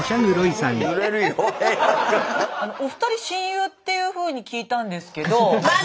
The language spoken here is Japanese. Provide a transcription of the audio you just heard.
お二人親友っていうふうに聞いたんですけど。